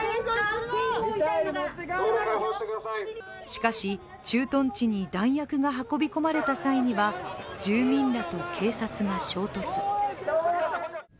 しかし、駐屯地に弾薬が運び込まれた際には住民らと警察が衝突。